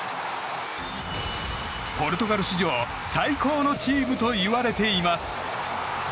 ポルトガル史上最高のチームといわれています。